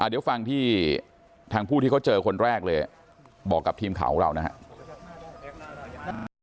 เดี๋ยวฟังที่ทางผู้ที่เขาเจอคนแรกเลยบอกกับทีมข่าวของเรานะครับ